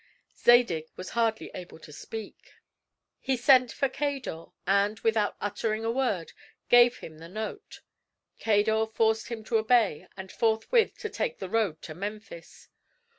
Zadig was hardly able to speak. He sent for Cador, and, without uttering a word, gave him the note. Cador forced him to obey, and forthwith to take the road to Memphis.